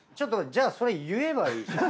じゃあそれ言えばいいじゃん。